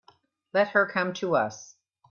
Let her come to us.